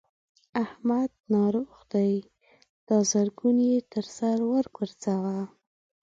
احمد ناروغ دی؛ دا زرګون يې تر سر ور ګورځوه.